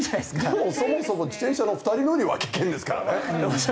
でもそもそも自転車の２人乗りは危険ですからね。